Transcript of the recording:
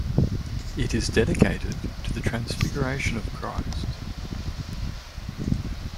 It is dedicated to the transfiguration of Christ.